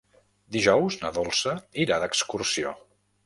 Dijous na Dolça irà d'excursió.